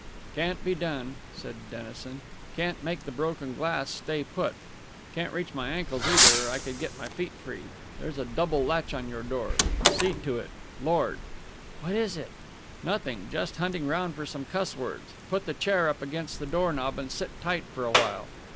"Can't be done!" said Dennison. "Can't make the broken glass stay put. Can't reach my ankles, either, or I could get my feet free. There's a double latch on your door. See to it! Lord!" "What is it?" "Nothing. Just hunting round for some cuss words. Put the chair up against the door knob and sit tight for a while."